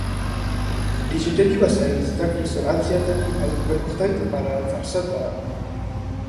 ډيجيټلي وسايل زده کړې سرعت زياتوي او د پرمختګ لپاره فرصت برابروي.